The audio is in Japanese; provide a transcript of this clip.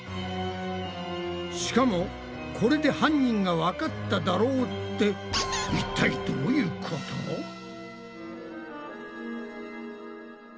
しかも「これで犯人がわかっただろう」っていったいどういうこと？だよね。